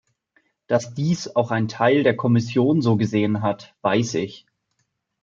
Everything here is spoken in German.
Dass dies auch ein Teil der Kommission so gesehen hat, weiß ich.